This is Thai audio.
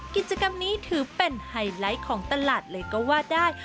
กิจกรรมนี้ถือเป็นไฮไลท์ของตลาดเลยก็ว่าได้